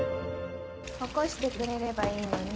起こしてくれればいいのに。